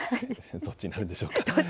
どっちになるんでしょうか。